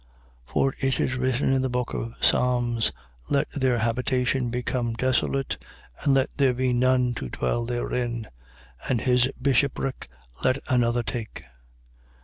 1:20. For it is written in the book of Psalms: Let their habitation become desolate, and let there be none to dwell therein. And his bishopric let another take.